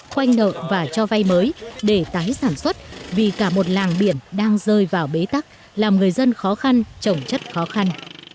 khoanh nợ và cho vay mới để tái sản xuất vì cả một làng biển đang rơi vào bế tắc làm người dân khó khăn trồng chất khó khăn